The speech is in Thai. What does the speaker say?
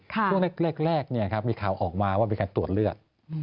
ช่วงแรกมีข่าวออกมาว่ามีการตรวจเลือด